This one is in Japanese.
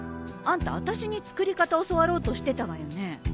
あんたあたしに作り方教わろうとしてたわよね。